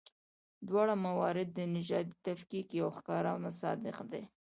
دواړه موارد د نژادي تفکیک یو ښکاره مصداق دي.